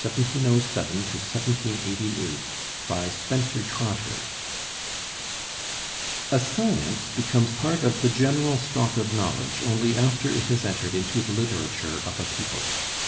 GEORGE LOUIS LE CLERC BUFFON (1707 1788) BY SPENCER TROTTER A science becomes part of the general stock of knowledge only after it has entered into the literature of a people.